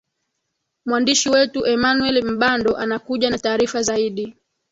mwandishi wetu emanuel mbando anakuja na taarifa zaidi